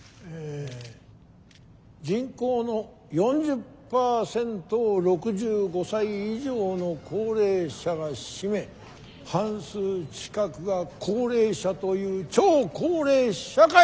人口の４０％を６５歳以上の高齢者が占め半数近くが高齢者という超高齢社会！